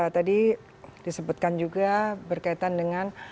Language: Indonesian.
tadi disebutkan juga berkaitan dengan